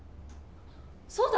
そうだ！